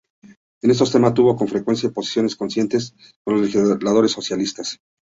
En estos temas estuvo con frecuencia en posiciones coincidentes con los legisladores socialistas.